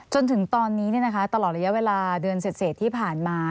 จนถึงตอนนี้ตลอดระยะเวลาเดือนเสร็จที่ผ่านมา